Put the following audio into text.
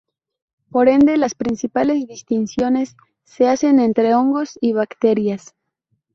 Por ende, las principales distinciones se hacen entre hongos y bacterias.